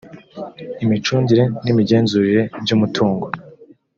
imicungire n imigenzurire by umutungo